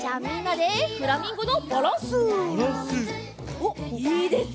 おっいいですね！